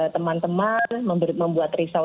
teman teman membuat risau